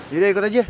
yudah ikut aja